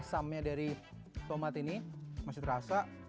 asamnya dari tomat ini masih terasa